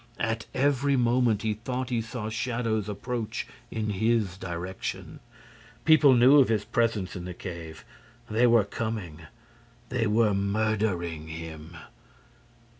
At every moment, he thought he saw shadows approach in his direction. People knew of his presence in the cave—they were coming—they were murdering him!